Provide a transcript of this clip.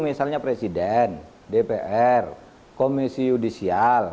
misalnya presiden dpr komisi yudisial